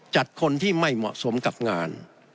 จัดคนที่ไม่เหมาะสมกับงาน